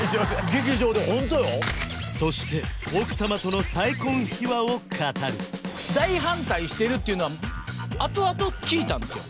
劇場でホントよそして奥様との再婚秘話を語る大反対してるっていうのはあとあと聞いたんですよ